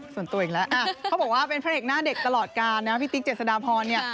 ส่วนตัวเองแล้วเขาบอกว่าเป็นพระเอกหน้าเด็กตลอดการนะพี่ติ๊กเจษฎาพรเนี่ย